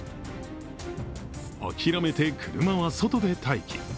諦めて車は外で待機。